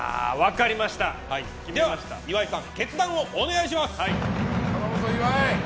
岩井さん、決断をお願いします。